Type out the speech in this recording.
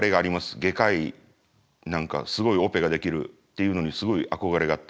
外科医なんかすごいオペができるっていうのにすごい憧れがあって。